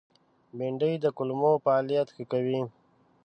بېنډۍ د کولمو فعالیت ښه کوي